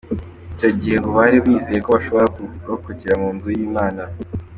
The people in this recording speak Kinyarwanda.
Icyo gihe ngo bari bizeye ko bashobora kurokokera mu nzu y’Imana.